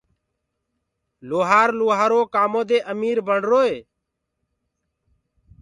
لوهآر لوهآرو ڪآمو دي امير بڻروئي